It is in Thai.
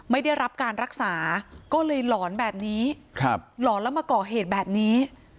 ไม่ได้รับการรักษาก็เลยหลอนแบบนี้หลอนแล้วมาก่อเหตุแบบนี้